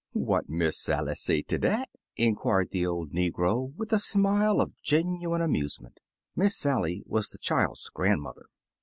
''What Miss Sally say ter dat?" inquired the old negro with a smile of genuine amusement. Miss Sally was the child's grandmother.